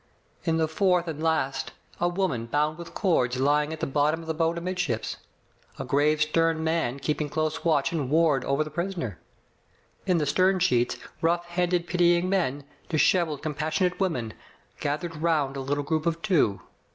In the fourth and last, a woman bound with cords lying at the bottom of the boat amidships, a grave, stem man keeping close watch and ward over the prisoner. In the stem sheets, rough handed, pitying men, dishev eled, compassionate women, gathered round a little group of two.